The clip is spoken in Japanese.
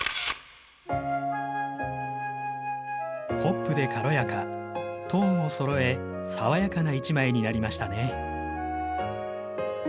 ポップで軽やかトーンをそろえ爽やかな一枚になりましたね。